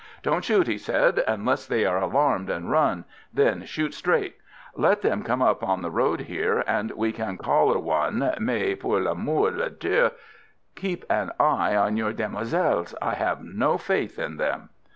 "Don't shoot," he said, "unless they are alarmed and run, then shoot straight. Let them come up on the road here and we can collar one, mais pour l'amour de Dieu! Keep an eye on your demoiselles I have no faith in them!"